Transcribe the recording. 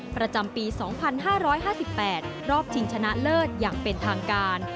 ประจำปี๒๕๕๘รอบชิงชนะเลิศอย่างเป็นทางการ